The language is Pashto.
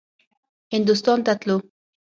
هندوستان ته تلو.